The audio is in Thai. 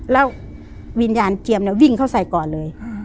แล้ววิญญาณเจียมวิ่งเข้าใส่ก่อนเลย